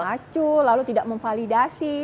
acuh lalu tidak memvalidasi